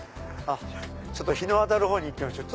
ちょっと日の当たるほうに行ってみましょう！